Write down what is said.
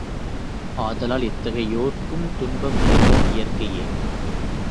ஆதலால் எத்தகையோர்க்கும் துன்பம் நேர்தல் இயற்கையே.